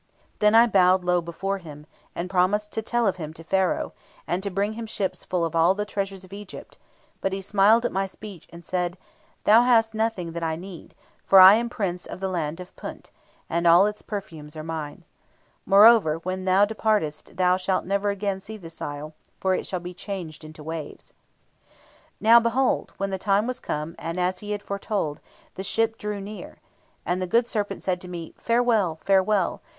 "Then I bowed low before him, and promised to tell of him to Pharaoh, and to bring him ships full of all the treasures of Egypt; but he smiled at my speech, and said, 'Thou hast nothing that I need, for I am Prince of the Land of Punt, and all its perfumes are mine. Moreover, when thou departest, thou shalt never again see this isle, for it shall be changed into waves.' [Illustration: PLATE 9. AN EGYPTIAN COUNTRY HOUSE.] "Now, behold! when the time was come, as he had foretold, the ship drew near. And the good serpent said to me, 'Farewell, farewell!